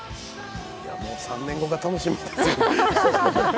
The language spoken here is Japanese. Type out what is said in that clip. もう３年後が楽しみですね。